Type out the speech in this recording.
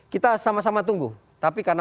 kita sama sama tunggu tapi karena